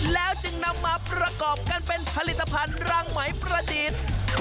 แล้วจึงนำมาประกอบกันเป็นผลิตภัณฑ์รังไหมประดิษฐ์